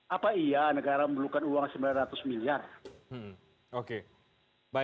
apa iya negara memerlukan uang sembilan ratus miliar